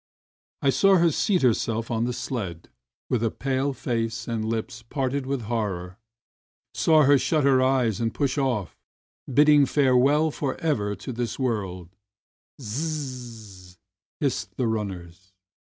I saw her seat herself on the sled 84 RUSSIAN SILHOUETTES with a pale face and lips parted with horror, saw her shut her eyes and push ofif, bidding farewell for ever to this world, "zzzzzzz!" hissed the runners.